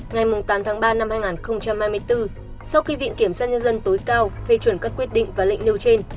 ngày tám tháng ba năm hai nghìn hai mươi bốn sau khi viện kiểm sát nhân dân tối cao phê chuẩn các quyết định và lệnh nêu trên